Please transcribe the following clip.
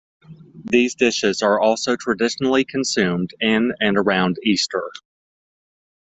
These dishes are also traditionally consumed in and around Easter.